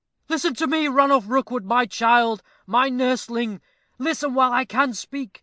"Listen to me, Ranulph Rookwood, my child, my nursling listen while I can speak.